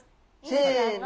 せの。